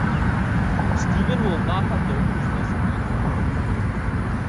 Steven will not have learned his lesson by tomorrow.